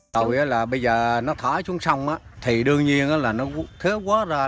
tại bây giờ nó thói xuống sông thì đương nhiên là nó thói quá ra